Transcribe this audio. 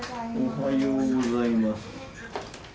おはようございます。